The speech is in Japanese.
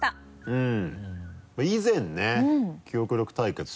うん。